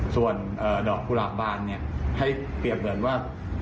ส่วนดอกกุหลาบบานให้เปรียบเหมือนว่า